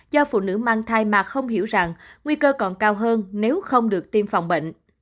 do phụ nữ mang thai mà không hiểu rằng nguy cơ còn cao hơn nếu không được tiêm phòng bệnh